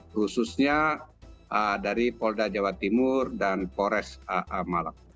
khususnya dari polda jawa timur dan polres malang